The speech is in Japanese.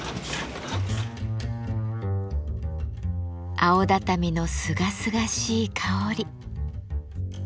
青畳のすがすがしい香り。